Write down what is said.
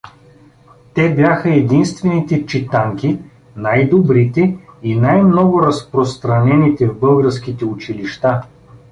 Те бяха единствените читанки, най-добрите и най-много разпространените в българските училища.